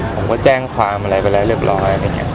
ผมก็แจ้งความอะไรไปแล้วเรียบร้อย